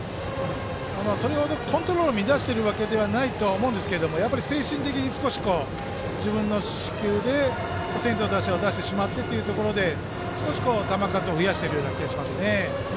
それ程コントロールを乱しているわけではないですがやっぱり精神的に自分の四球で先頭打者を出してしまってということで少し球数を増やしている気がします。